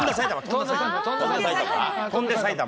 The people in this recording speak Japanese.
『翔んで埼玉』。